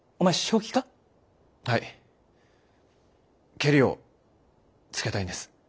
けりをつけたいんです。